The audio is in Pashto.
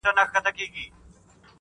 په تور لحد کي به نارې کړم!.